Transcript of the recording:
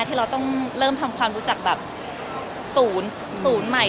ที่เราต้องเริ่มทำความรู้จักแบบศูนย์ใหม่